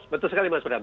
betul sekali mas bram